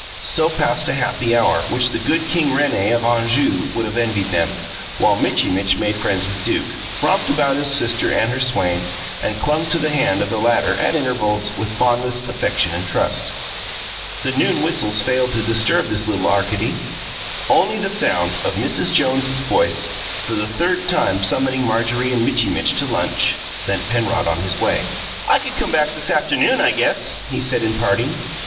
So passed a happy hour, which the Good King Rene of Anjou would have envied them, while Mitchy Mitch made friends with Duke, romped about his sister and her swain, and clung to the hand of the latter, at intervals, with fondest affection and trust. The noon whistles failed to disturb this little Arcady; only the sound of Mrs. Jones' voice for the third time summoning Marjorie and Mitchy Mitch to lunch sent Penrod on his way. "I could come back this afternoon, I guess," he said, in parting.